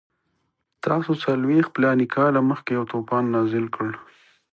تاسو څلوېښت فلاني کاله مخکې یو طوفان نازل کړ.